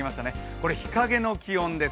これ、日陰の気温です。